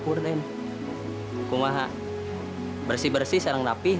pasaran kamu mayor jelun certified chayabla ini